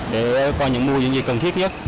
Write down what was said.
để coi những mưu nhân dị cần thiết nhất